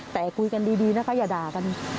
แต่คุยกันดีนะคะอย่าด่ากัน